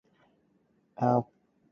全沒有昨天這麼怕，